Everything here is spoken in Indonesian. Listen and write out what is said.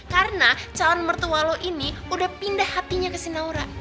karena calon mertua lo ini udah pindah hatinya ke si naura